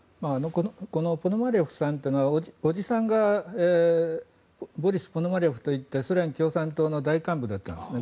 このポノマリョフさんというのはおじさんがボリス・ポノマリョフといってソ連共産党の大幹部だったんですね。